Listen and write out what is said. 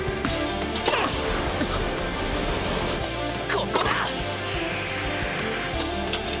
ここだっ！